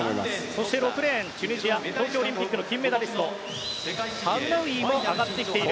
そして６レーンチュニジア東京オリンピックの金メダリストハフナウイも上がってきている。